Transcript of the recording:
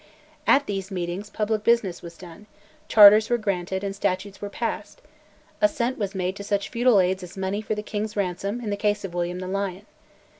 At these meetings public business was done, charters were granted, and statutes were passed; assent was made to such feudal aids as money for the king's ransom in the case of William the Lion.